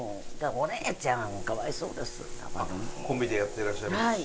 コンビでやってらっしゃるし。